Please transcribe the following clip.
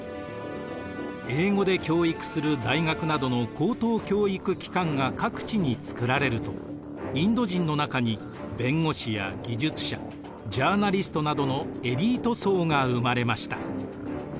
英語で教育する大学などの高等教育機関が各地に作られるとインド人の中に弁護士や技術者ジャーナリストなどのエリート層が生まれました。